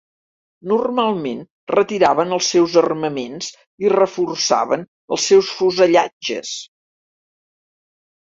Normalment retiraven els seus armaments i reforçaven els seus fusellatges.